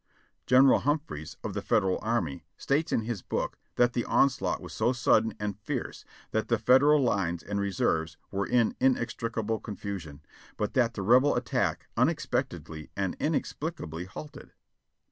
General Humphreys, of the Federal Army, states in his book that the on slaught was so sudden and fierce that the Federal lines and re serves were in inextricable confusion, but that the Rebel attack unexpectedly and inexplicably halted.